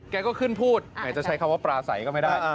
ก็ขึ้นพูดไหนจะใช้คำว่าปลาใสก็ไม่ได้